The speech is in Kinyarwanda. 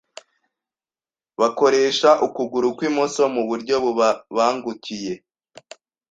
bakoresha ukuguru kw’imoso mu buryo bubabangukiye.